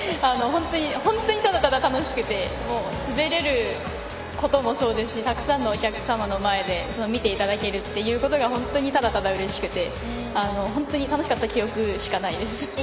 本当にただただ楽しくて滑れることもそうですしたくさんのお客様の前で見ていただけるということで本当にただただうれしくて本当に楽しかった記憶しかないです。